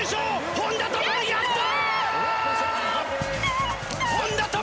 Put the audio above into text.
本多灯やった！